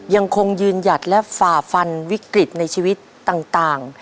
ยังคงยืนหยัดและฝ่าฟันวิกฤตในชีวิตต่าง